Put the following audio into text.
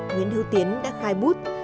nguyễn hữu tiến đã khai bút